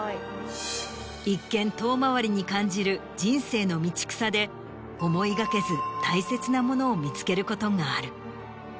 一見遠回りに感じる人生の道草で思いがけず大切なものを見つけることがある。